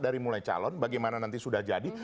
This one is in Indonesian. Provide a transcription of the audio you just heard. dari mulai calon bagaimana nanti sudah jadi